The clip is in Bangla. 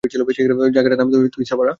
জায়গাটার নাম থুইসাপাড়া।